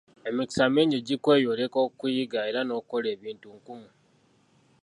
Emikisa mingi gikweyoleka okuyiga era n'okukola ebintu nkumu.